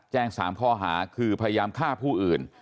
แจ้ง๓ข้อหาคือพยายามฆ่าผู้อื่น